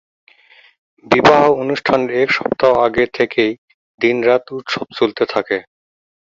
বিবাহ অনুষ্ঠানের এক সপ্তাহ আগে থেকেই দিন-রাত উৎসব চলতে থাকে।